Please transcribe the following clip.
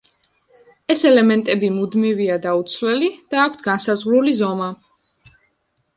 ეს ელემენტები მუდმივია და უცვლელი და აქვთ განსაზღვრული ზომა.